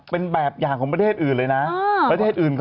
เป็นแบบอย่างของประเทศอื่นเลยนะ